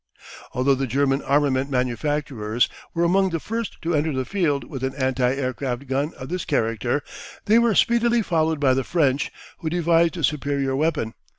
Although the German armament manufacturers were among the first to enter the field with an anti aircraft gun of this character they were speedily followed by the French, who devised a superior weapon.